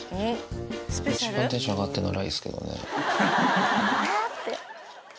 一番テンション上がってるの雷ですけどね。